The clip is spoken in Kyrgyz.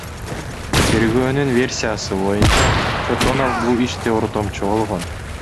Тергөөнүн версиясы боюнча, Чотонов бул иште ортомчу болгон.